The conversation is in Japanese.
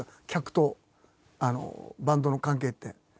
客とバンドの関係って。